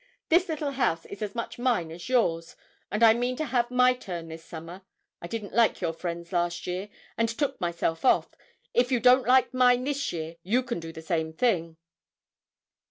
This little house is as much mine as yours, and I mean to have my turn this summer. I didn't like your friends last year, and took myself off. If you don't like mine this year you can do the same thing."